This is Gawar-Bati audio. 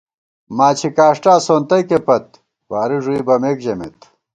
ماچھی کاݭٹا سونتَئیکےپت واری ݫُوئی بَمېک ژمېت